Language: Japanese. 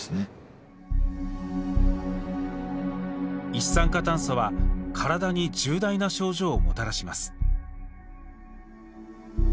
一酸化炭素は体に重大な症状をもたらします。